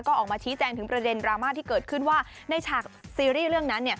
ก็ออกมาชี้แจงถึงประเด็นดราม่าที่เกิดขึ้นว่าในฉากซีรีส์เรื่องนั้น